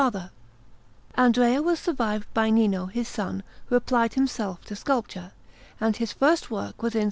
Orvieto: Museo dell'Opera)] Andrea was survived by Nino, his son, who applied himself to sculpture; and his first work was in S.